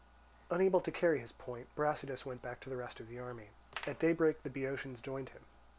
Unable to carry his point, Brasidas went back to the rest of the army. At daybreak the Boeotians joined him.